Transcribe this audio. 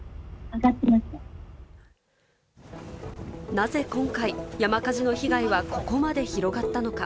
なぜ今回、山火事の被害はここまで広がったのか？